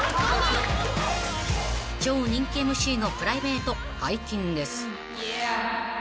［超人気ＭＣのプライベート解禁です］